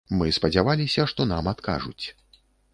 Мы спадзяваліся, што нам адкажуць.